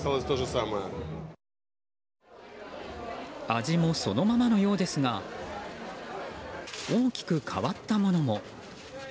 味もそのままのようですが大きく変わったものも。